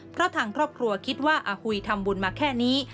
เพราะทางครอบครัวคิดว่าอาหุยทำบุญมาแค่นี้